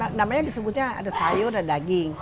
ada sayur namanya disebutnya ada sayur dan daging